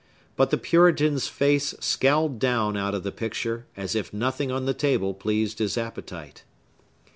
But the Puritan's face scowled down out of the picture, as if nothing on the table pleased his appetite.